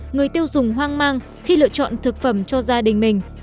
người tiêu dùng hoang mang khi lựa chọn thực phẩm cho gia đình mình